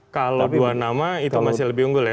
kalau dua nama itu masih lebih unggul ya